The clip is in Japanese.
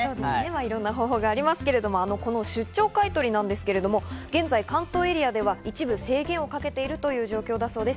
いろんな方法がありますけど、この出張買い取り、現在関東エリアでは一部制限をかけているという状況だそうです。